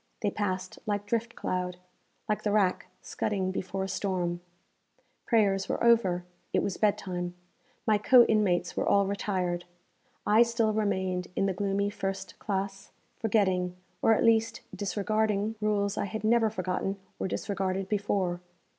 They passed like drift cloud like the rack scudding before a storm. Prayers were over; it was bed time; my co inmates were all retired. I still remained in the gloomy first classe, forgetting, or at least disregarding, rules I had never forgotten or disregarded before.